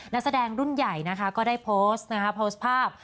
นักแสดงรุ่นใหญ่นะคะก็ได้โพสต์นะคะโพสต์โพสต์ภาพ